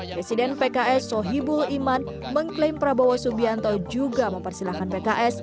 presiden pks sohibul iman mengklaim prabowo subianto juga mempersilahkan pks